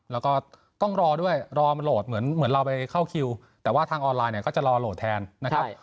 แล้วก็ต้องรอด้วยรอมันโหลดเหมือนเราไปเข้าคิวแต่ว่าทางออนไลน์เนี่ยก็จะรอโหลดแทนนะครับ